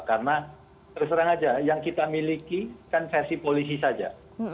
karena terserah saja yang kita miliki kan versi polisi saja